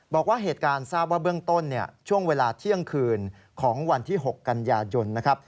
บอกว่าเหตุการณ์ทราบว่าเบื้องต้นช่วงเวลาเที่ยงคืนของวันที่๖กันยายนนะครับ